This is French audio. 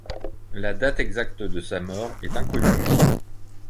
La date exacte de sa mort est inconnue.